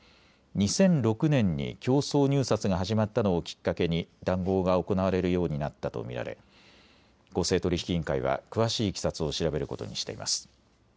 ２００６年に競争入札が始まったのをきっかけに談合が行われるようになったと見られ公正取引委員会は詳しいいきさつを調べることにしています。